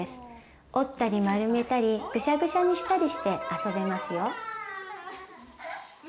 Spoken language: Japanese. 折ったり丸めたりぐしゃぐしゃにしたりして遊べますよ。